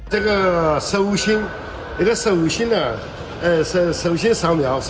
jadi saya pikir teknologi ini sangat berharga